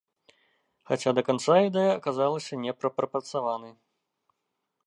Хаця да канца ідэя аказалася не прапрацаванай.